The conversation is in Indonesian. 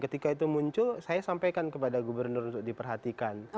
ketika itu muncul saya sampaikan kepada gubernur untuk diperhatikan